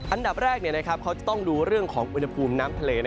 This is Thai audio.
อันดับแรกเขาจะต้องดูเรื่องของอุณหภูมิน้ำทะเล